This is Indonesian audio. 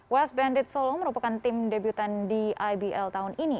west bandit solo merupakan tim debutan di ibl tahun ini